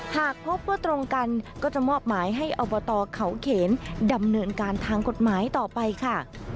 หากพบว่าตรงกันก็จะมอบหมายให้อบตเขาเขนดำเนินการทางกฎหมายต่อไปค่ะ